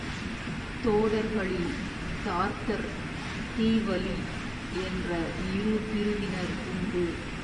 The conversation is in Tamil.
தோடர்களில் தார்த்தர், தீவலி என்ற இரு பிரிவினர் உண்டு.